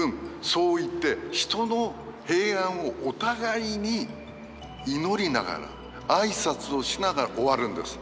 そう言って人の平安をお互いに祈りながら挨拶をしながら終わるんです。